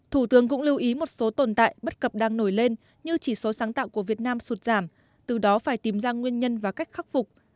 thủ tướng cũng lưu ý một số tồn tại bất cập đang nổi lên như chỉ số sáng tạo của việt nam sụt giảm từ đó phải tìm ra nguyên nhân và cách khắc phục